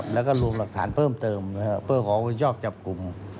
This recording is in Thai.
แล้วก็รวมหลักฐานเพิ่มเติมเพื่อขอคุณยอกจับกลุ่ม